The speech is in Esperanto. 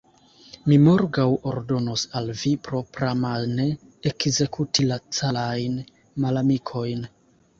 Mi morgaŭ ordonos al vi propramane ekzekuti la carajn malamikojn.